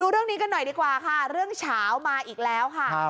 เรื่องนี้กันหน่อยดีกว่าค่ะเรื่องเฉามาอีกแล้วค่ะ